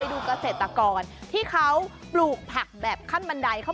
ดูเกษตรกรที่เขาปลูกผักแบบขั้นบันไดเขา